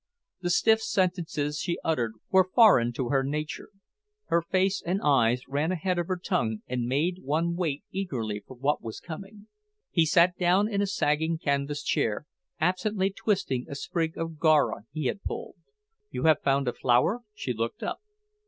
The stiff sentences she uttered were foreign to her nature; her face and eyes ran ahead of her tongue and made one wait eagerly for what was coming. He sat down in a sagging canvas chair, absently twisting a sprig of Gaura he had pulled. "You have found a flower?" She looked up.